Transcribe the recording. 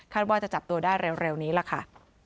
ว่าจะจับตัวได้เร็วนี้ล่ะค่ะ